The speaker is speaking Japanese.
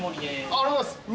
ありがとうございます。